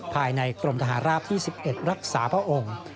ภายในกรมทหารราบที่๑๑รักษาพระองค์